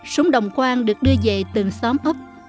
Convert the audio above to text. súng đồng quang được đưa về từng xóm ấp